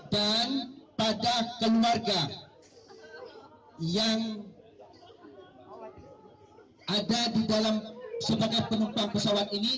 dan pada keluarga yang ada di dalam sebagai penumpang pesawat ini